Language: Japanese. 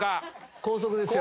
高速ですよ。